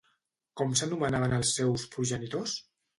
Com s'anomenaven els seus progenitors?